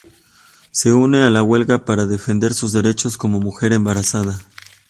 Se une a la huelga para defender sus derechos como mujer embarazada.